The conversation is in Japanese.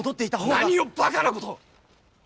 何をバカなことを！